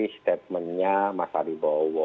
statementnya mas ali bawowo